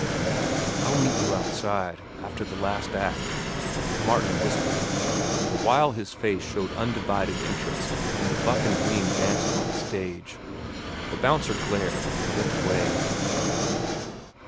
"I'll meet you outside, after the last act," Martin whispered, the while his face showed undivided interest in the buck and wing dancing on the stage. The bouncer glared and went away.